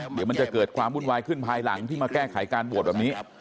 เดี๋ยวมันจะเกิดความวุ่นวายขึ้นภายหลังที่มาแก้ไขการโหวตแบบนี้